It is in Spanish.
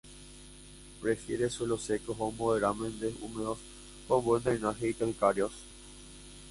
Prefiere suelos secos o moderadamente húmedos, con buen drenaje y calcáreos.